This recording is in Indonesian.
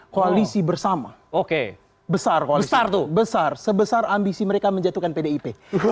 koalisi bersama oke besar koalisi besar sebesar ambisi mereka menjatuhkan pdip